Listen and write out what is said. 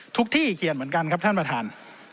ที่เขียนเหมือนกันครับท่านประธาน